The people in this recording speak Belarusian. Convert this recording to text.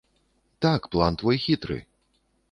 Так, план твой хітры.